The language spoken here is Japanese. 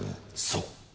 そう！